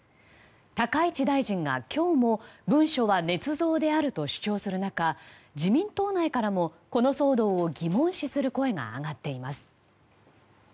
高市大臣が今日も文書はねつ造であると主張する中自民党内からもこの騒動を疑問視する声が上がっています。